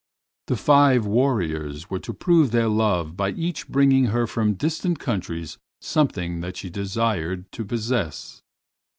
The five warriors were to prove their love by each bringing her from distant countries something that she desired to possess.